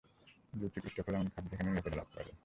Blue chip stock হলো এমন খাত, যেখানে নিরাপদে লাভ করা যায়।